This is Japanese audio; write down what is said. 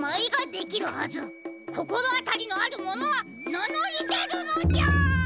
こころあたりのあるものはなのりでるのじゃ！